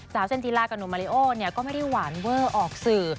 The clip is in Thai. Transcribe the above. เซ็นจีลากับหนุ่มมาริโอเนี่ยก็ไม่ได้หวานเวอร์ออกสื่อ